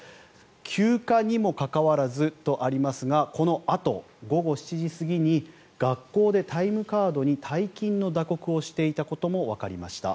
休暇にもかかわらずとありますがこのあと、午後７時過ぎに学校でタイムカードに退勤の打刻をしていたこともわかりました。